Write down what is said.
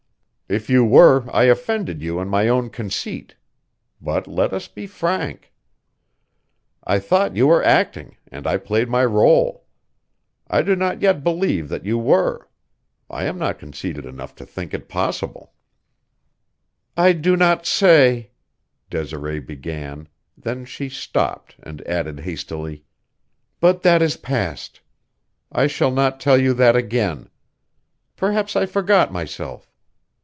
If you were, I offended you in my own conceit, but let us be frank. I thought you were acting, and I played my role. I do not yet believe that you were; I am not conceited enough to think it possible." "I do not say," Desiree began; then she stopped and added hastily: "But that is past. I shall not tell you that again. Perhaps I forgot myself.